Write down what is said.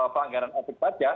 pelanggaran etik saja